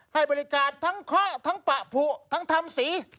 ให้บริการทั้งเคาะทั้งปะผูทั้งทำสี